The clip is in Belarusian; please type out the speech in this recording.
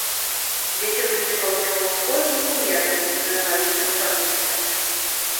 Вецер будзе паўднёва-ўсходні ўмераны, пры навальніцах парывісты.